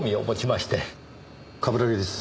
冠城です。